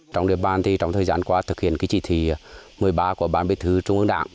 trong đề bàn trong thời gian qua thực hiện chỉ thị một mươi ba của ban biết thứ trung ương đảng